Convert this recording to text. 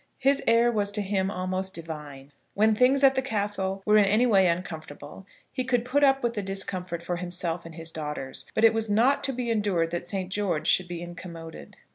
His heir was to him almost divine. When things at the castle were in any way uncomfortable, he could put up with the discomfort for himself and his daughters; but it was not to be endured that Saint George should be incommoded.